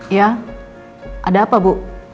ya ada apa bu